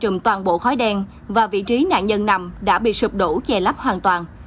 trùm toàn bộ khói đen và vị trí nạn nhân nằm đã bị sụp đổ che lắp hoàn toàn